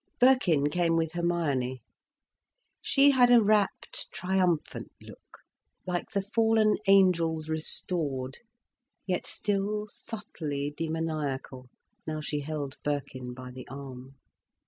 Birkin came with Hermione. She had a rapt, triumphant look, like the fallen angels restored, yet still subtly demoniacal, now she held Birkin by the arm.